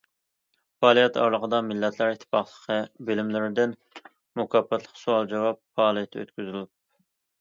پائالىيەت ئارىلىقىدا مىللەتلەر ئىتتىپاقلىقى بىلىملىرىدىن مۇكاپاتلىق سوئال- جاۋاب پائالىيىتى ئۆتكۈزۈلۈپ.